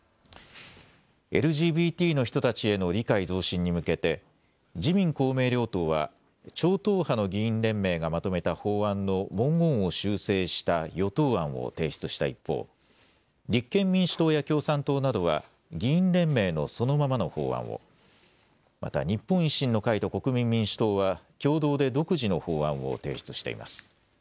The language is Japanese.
ＬＧＢＴの人たちへの理解増進に向けて自民公明両党は超党派の議員連盟がまとめた法案の文言を修正した与党案を提出した一方、立憲民主党や共産党などは議員連盟のそのままの法案を、また日本維新の会と国民民主党は共同で独自の法案を提出しています。